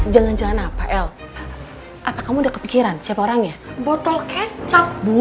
jangan jangan apa l apa kamu udah kepikiran siapa orangnya botol kecap